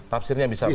tafsirnya bisa berbeda